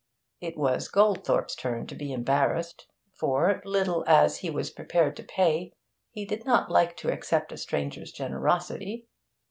It was Goldthorpe's turn to be embarrassed, for, little as he was prepared to pay, he did not like to accept a stranger's generosity.